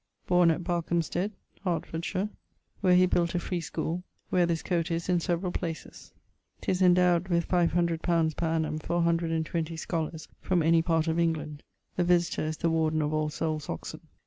Borne at Barkehamsted, Hertfordshire; where he built a free schole, where this coat is in severall places. 'Tis endowed with 500_li._ per annum for 120 scholars from any part of England. The Visitor is the Warden of All Soules, Oxon.